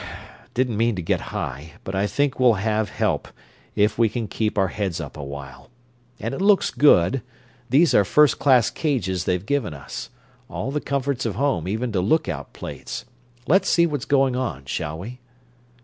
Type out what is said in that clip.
Didn't mean to get high, but I think we'll have help, if we can keep our heads up a while. And it looks good these are first class cages they've given us. All the comforts of home, even to lookout plates. Let's see what's going on, shall we?"